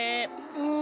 うん。